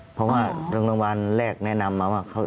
เพราะว่าโรงพยาบาลแรกแนะนำมาว่า